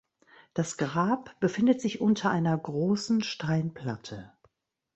Das Grab befindet sich unter einer großen Steinplatte.